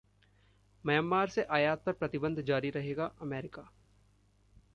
Myanmar से आयात पर प्रतिबंध जारी रखेगा अमेरिका